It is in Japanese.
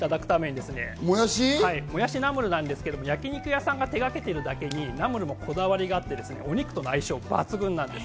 もやしナムルなんですけど、焼肉屋さんが手がけているだけに、ナムルもこだわりがあって、お肉との相性抜群なんです。